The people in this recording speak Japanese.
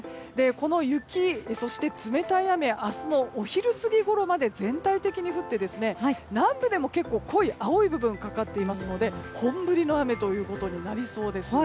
この雪、そして冷たい雨明日のお昼ごろ過ぎまで全体的に降って南部でも、濃い青い部分がかかっていますので本降りの雨ということになりそうです。